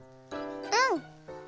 うん！